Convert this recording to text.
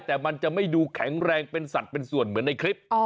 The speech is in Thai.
แต่มันจะไม่ดูแข็งแรงเป็นสัตว์เป็นส่วนเหมือนในคลิป